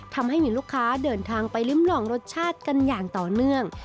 ทำให้มีลูกค้าเดินทางไปริ้มลองรสชาติกันอย่างต่อเนื่อง